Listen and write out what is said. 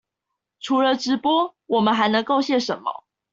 除了直播，我們還能貢獻什麼？